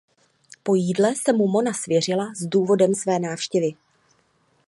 Po jídle se mu mona svěřila s důvodem své návštěvy.